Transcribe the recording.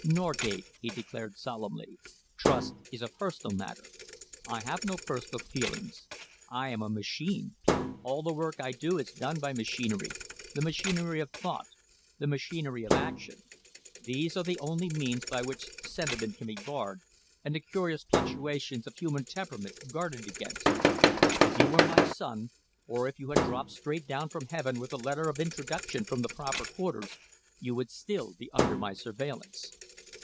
"Norgate," he declared solemnly, "trust is a personal matter. I have no personal feelings. I am a machine. All the work I do is done by machinery, the machinery of thought, the machinery of action. These are the only means by which sentiment can be barred and the curious fluctuations of human temperament guarded against. If you were my son, or if you had dropped straight down from Heaven with a letter of introduction from the proper quarters, you would still be under my surveillance."